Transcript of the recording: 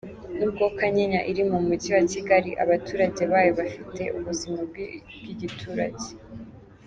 N’ubwo Kanyinya iri mu mujyi wa Kigali, abaturage bayo bafite ubuzima bw’igiturage.